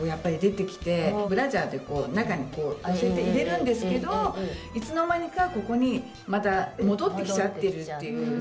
ブラジャーでこう中に焦って入れるんですけどいつの間にかここにまた戻ってきちゃってるっていう。